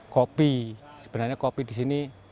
kopi sebenarnya kopi disini